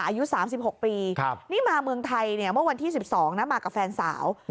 อายุสามสิบหกปีครับนี่มาเมืองไทยเนี่ยเมื่อวันที่สิบสองนะมากับแฟนสาว